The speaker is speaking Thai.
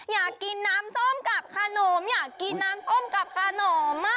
อยากกินน้ำส้มกับขนมอยากกินน้ำส้มกับขนม